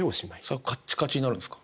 それはカッチカチになるんですか？